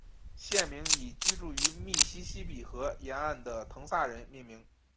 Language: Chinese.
县名以居住于密西西比河沿岸的滕萨人命名。